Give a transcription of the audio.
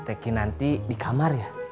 tki nanti di kamar ya